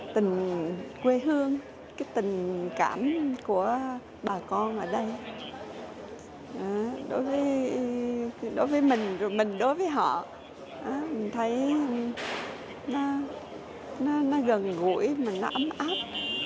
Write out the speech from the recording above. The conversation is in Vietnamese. tình quê hương tình cảm của bà con ở đây đối với mình mình đối với họ mình thấy nó gần gũi nó ấm áp